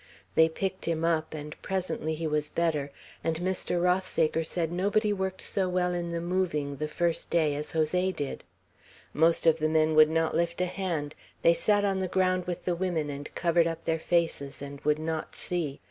They picked him up, and presently he was better; and Mr. Rothsaker said nobody worked so well in the moving the first day as Jose did. Most of the men would not lift a hand. They sat on the ground with the women, and covered up their faces, and would not see.